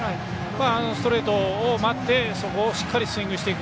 ストレートを待ってそこをしっかりスイングしていく。